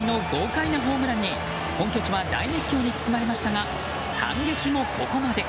まさに技ありの豪快なホームランに本拠地は大熱狂に包まれましたが反撃もここまで。